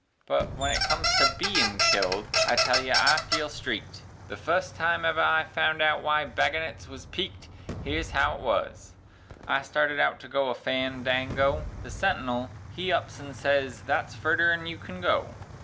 But wen it comes to bein' killed I tell ye I felt streaked The fust time ever I found out wy baggonets wuz peaked; Here's how it wuz: I started out to go to a fan dango, The sentinul he ups an' sez "Thet's furder 'an you can go."